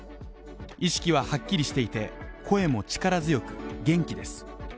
意識ははっきりしていて、声も力強く元気です。